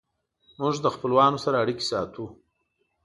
موږ د خپلوانو سره اړیکې ساتو.